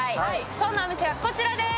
そんなお店は、こちらです。